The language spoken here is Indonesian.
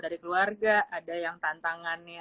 dari keluarga ada yang tantangannya